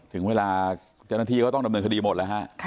ถึงเวลาเจ้าหน้าที่ก็ต้องดำเนินคดีหมดแล้วฮะ